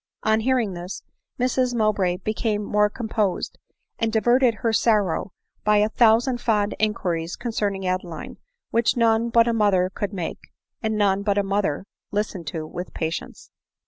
On hearing this, Mrs Mowbray became more composed, and diverted her sorrow by a thousand fond inquiries con cerning Adeline, which none but a mother could make, and none but a mother listen to with patience.